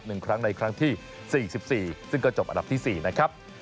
หนึ่งครั้งในครั้งที่๔๔ซึ่งก็จบอันดับที่๔นะครับ